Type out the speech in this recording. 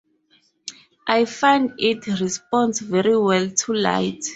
I find it responds very well to light.